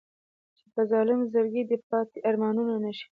چې په ظالم زړګي دې پاتې ارمانونه نه شي.